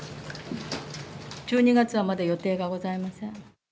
１２月はまだ予定がございません。